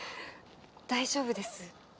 大丈夫です